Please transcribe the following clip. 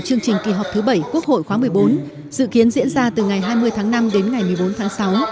chương trình kỳ họp thứ bảy quốc hội khóa một mươi bốn dự kiến diễn ra từ ngày hai mươi tháng năm đến ngày một mươi bốn tháng sáu